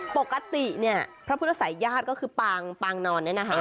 ปกติเนี่ยพระพุทธศัยญาติก็คือปางปางนอนเนี่ยนะคะ